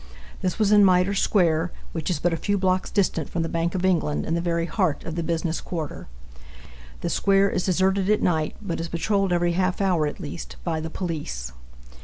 This was in Mitre square, which is but a few blocks distant from the Bank of England, in the very heart of the business quarter. The square is deserted at night, but is patrolled every half hour at least by the police.